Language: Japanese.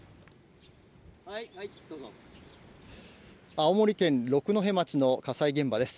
青森県六戸町の火災現場です。